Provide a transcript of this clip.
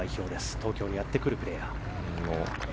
東京にやってくるプレーヤー。